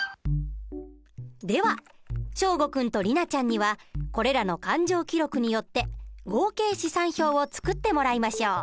では祥伍君と莉奈ちゃんにはこれらの勘定記録によって合計試算表を作ってもらいましょう。